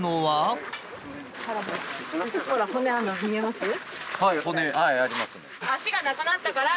はい。